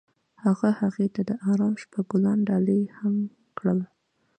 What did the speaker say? هغه هغې ته د آرام شپه ګلان ډالۍ هم کړل.